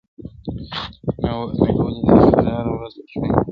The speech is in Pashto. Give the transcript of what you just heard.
نه يې وليده كراره ورځ په ژوند كي،